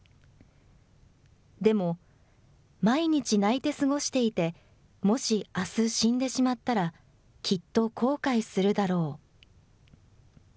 でも毎日泣いて過ごしていて、もしあす死んでしまったら、きっと後悔するだろう。